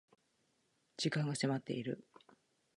時間が迫っている